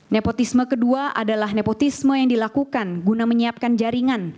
nepotisme kedua adalah nepotisme yang dilakukan guna menyiapkan jaringan